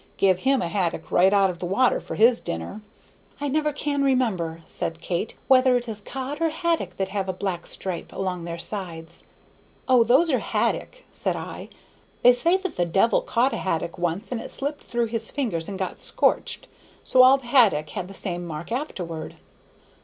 Give him a haddock right out of the water for his dinner! "I never can remember," said Kate, "whether it is cod or haddock that have a black stripe along their sides " "O, those are haddock," said I; "they say that the Devil caught a haddock once, and it slipped through his fingers and got scorched; so all the haddock had the same mark afterward."